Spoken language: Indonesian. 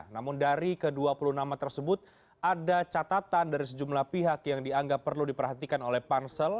namun dari ke dua puluh nama tersebut ada catatan dari sejumlah pihak yang dianggap perlu diperhatikan oleh pansel